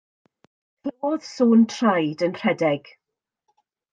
Clywodd sŵn traed yn rhedeg.